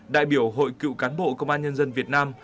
đại biểu hội cựu cán bộ công an nhân dân việt nam